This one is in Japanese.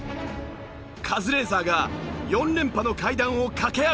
カズレーザーが４連覇の階段を駆け上がるか？